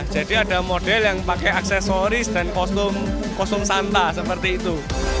jadi ada model yang pakai aksesoris dan kostum santa seperti itu